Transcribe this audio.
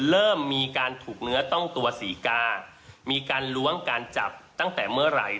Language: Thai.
เริ่มมีการถูกเนื้อต้องตัวศรีกามีการล้วงการจับตั้งแต่เมื่อไหร่